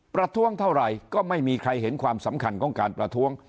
ประท้วงเท่าไหร่ก็ไม่มีใครเห็นความสำคัญของการประท้วง